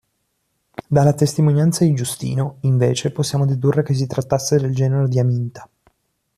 Dalla testimonianza di Giustino, invece, possiamo dedurre che si trattasse del genero di Aminta.